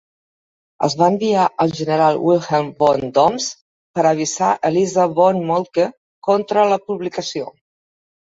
Es va enviar el general Wilhelm von Dommes per a avisar Eliza von Moltke contra la publicació.